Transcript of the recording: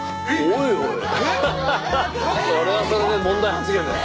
おいおいそれはそれで問題発言だな